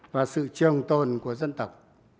và sự trồng tồn của dân tộc